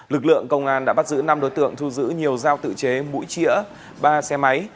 lực lượng công an đã bắt giữ năm đối tượng thu giữ nhiều dao tự chế mũi chĩa ba xe máy